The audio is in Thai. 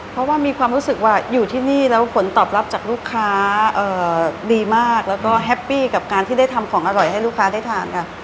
เพราะว่ามีความรู้สึกว่าอยู่ที่นี่แล้วผลตอบรับจากลูกค้าดีมากแล้วก็แฮปปี้กับการที่ได้ทำของอร่อยให้ลูกค้าได้ทานค่ะ